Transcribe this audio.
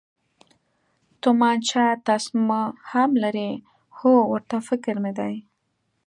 تومانچه تسمه هم لري، هو، ورته فکر مې دی.